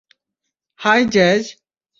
High, jazz.